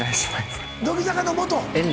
乃木坂の元。